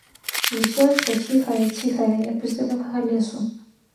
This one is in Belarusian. Выццё ішло ціхае, ціхае, як бы з далёкага лесу.